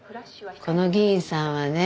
この議員さんはね